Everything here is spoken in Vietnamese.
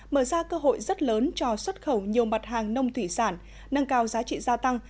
mở ra cơ hội rất lớn cho xuất khẩu nhiều mặt hàng nông thủy sản nâng cao giá trị gia tăng